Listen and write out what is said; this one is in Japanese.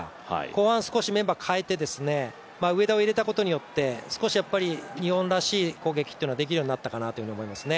後半、少しメンバー代えて上田を入れたことによって少し日本らしい攻撃っていうのができるようになったかと思います